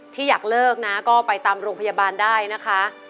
ที่อยากเลิกนะก็ไปตามโรงพยาบาลได้นะคะ